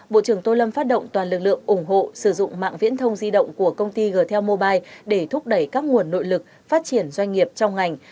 bộ trưởng tô lâm phát động toàn lực lượng ủng hộ sử dụng mạng viễn thông di động của công ty g tel mobile để thúc đẩy các nguồn nội lực phát triển doanh nghiệp trong ngành